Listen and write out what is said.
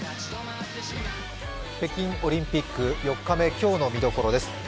北京オリンピック４日目、今日の見どころです。